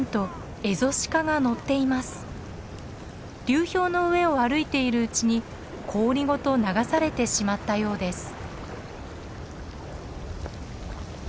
流氷の上を歩いているうちに氷ごと流されてしまったようです。